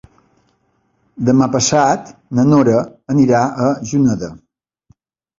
Demà passat na Nora anirà a Juneda.